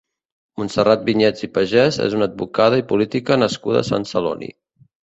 Montserrat Vinyets i Pagès és una advocada i política nascuda a Sant Celoni.